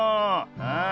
うん。